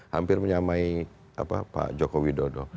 hampir menyamai pak joko widodo